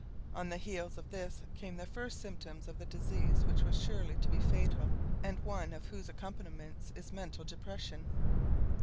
On the heels of this came the first symptoms of the disease which was surely to be fatal and one of whose accompaniments is mental depression.